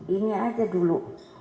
ini saja dulu